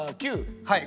はい。